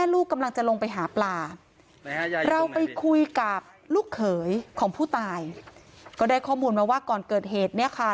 ลูกเขยของผู้ตายก็ได้ข้อมูลมาว่าก่อนเกิดเหตุเนี้ยค่ะ